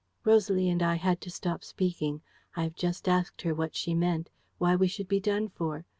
_ "Rosalie and I had to stop speaking. I have just asked her what she meant, why we should be done for.